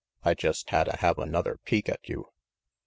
I jest hadda have another peek at you."